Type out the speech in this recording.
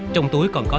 trong túi còn có